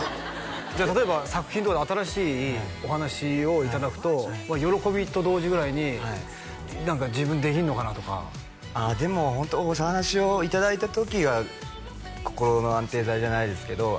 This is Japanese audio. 例えば作品とか新しいお話をいただくと喜びと同時ぐらいに何か自分にできんのかなとかでもホントお話をいただいた時は心の安定剤じゃないですけどあ